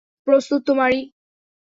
প্রস্তুত তো, মারি?